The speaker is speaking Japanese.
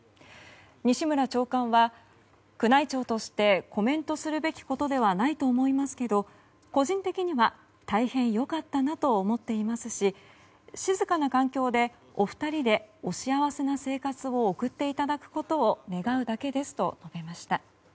西村長官は宮内庁としてコメントするべきではないと思いますけど個人的には大変良かったなと思っていますし静かな環境でお二人でお幸せな生活を送っていただくことを願うだけですと述べました。